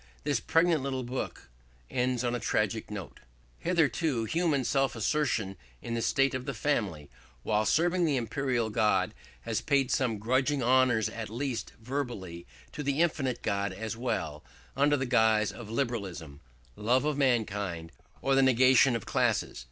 This pregnant little book ends on a tragic note. "Hitherto human self assertion in the state or the family, while serving the imperial God, has paid some grudging honours, at least verbally, to the infinite God as well, under the guise of liberalism, love of mankind, or the negation of classes.